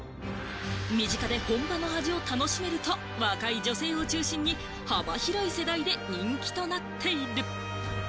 身近で本場の味を楽しめると若い女性を中心に幅広い世代で人気となっている。